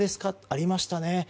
ありましたね。